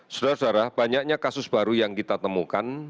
saudara saudara banyaknya kasus baru yang kita temukan